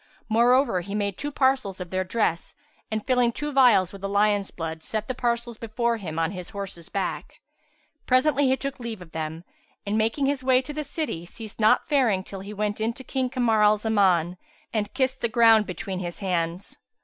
Moreover he made two parcels of their dress and, filling two vials with the lion's blood, set the parcels before him on his horse's back. Presently he took leave of them and, making his way to the city, ceased not faring till he went in to King Kamar al Zaman and kissed the ground between his hands.